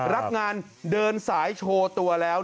รับงานเดินสายโชว์ตัวแล้ว